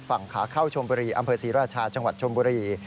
ฝั่งขาเข้าชมบุรีอำเภอศรีราชาจังหวัดชมบุรี